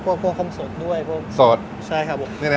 พูดถึงเปล่า